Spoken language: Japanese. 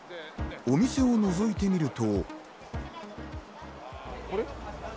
お店をのぞいてみると。